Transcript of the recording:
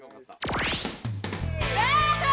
わ！